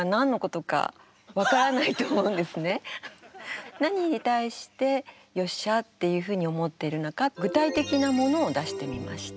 まず何に対して「よっしゃあ」っていうふうに思ってるのか具体的なものを出してみました。